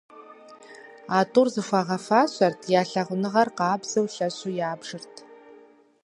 А тӏур зыхуагъэфащэрт, я лъагъуныгъэр къабзэу, лъэщу ябжырт.